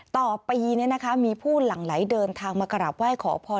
ต่อปีมีผู้หลั่งไหลเดินทางมากราบไหว้ขอพร